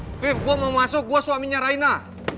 afif gue mau masuk gue suaminya reina